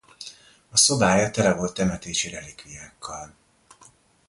A szobája tele volt temetési relikviákkal.